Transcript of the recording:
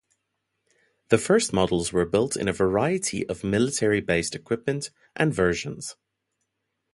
The first models were built in a variety of military-based equipment and versions.